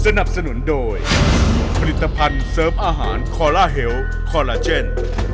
สนับสนุนโดยผลิตภัณฑ์เสริมอาหารคอลลาเฮลคอลลาเจน